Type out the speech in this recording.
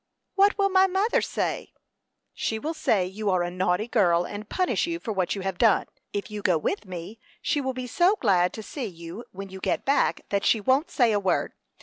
"What will my mother say?" "She will say you are a naughty girl, and punish you for what you have done. If you go with me, she will be so glad to see you when you get back, that she won't say a word.